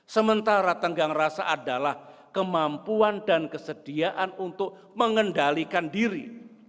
sementara tenggang rasa adalah kemampuan dan kesediaan untuk mengendalikan diri